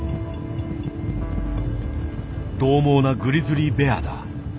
どう猛なグリズリー・ベアだ。